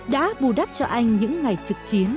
đã bù đắp cho anh những ngày trực chiến